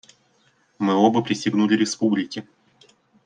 Мы оба присягнули Республике.